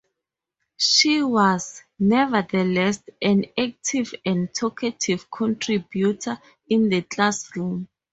She was, nevertheless, an active and talkative contributor in the classroom.